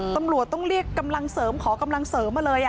ตำรวจต้องเรียกกำลังเสริมขอกำลังเสริมมาเลย